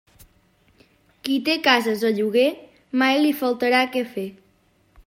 Qui té cases a lloguer, mai li faltarà què fer.